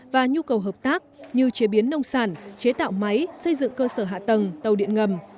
và nhu cầu hợp tác như chế biến nông sản chế tạo máy xây dựng cơ sở hạ tầng tàu điện ngầm